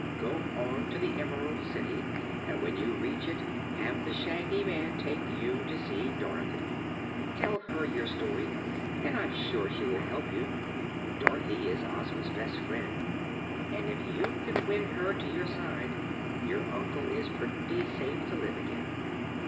"Go on to the Emerald City, and when you reach it have the Shaggy Man take you to see Dorothy. Tell her your story and I'm sure she will help you. Dorothy is Ozma's best friend, and if you can win her to your side your uncle is pretty safe to live again."